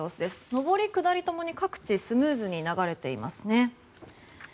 上り、下り共に各地スムーズに流れています。